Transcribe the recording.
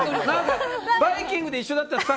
何か「バイキング」で一緒だった